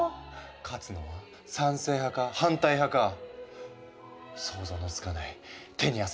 勝つのは賛成派か反対派か想像のつかない手に汗握る展開。